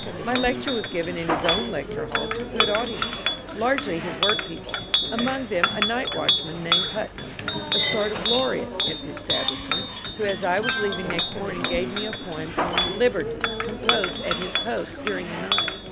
My lecture was given in his own lecture hall to a good au^ence, largely his work people, among them a night watchman named Putnam, a sort of laureate to the establishment, who as I was leaving next morning gave me a poem on ^^ Liberty," composed at his post during the night.